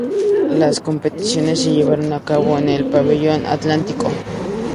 Las competiciones se llevaron a cabo en el Pabellón Atlántico.